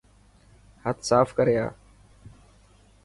هٿ صاف ڪري آءِ.